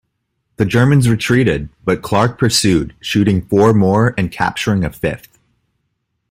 The Germans retreated, but Clarke pursued, shooting four more and capturing a fifth.